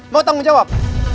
mau tanggung jawab